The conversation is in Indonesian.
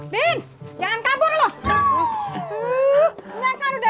din jangan kabur loh udah bilang langsung rumah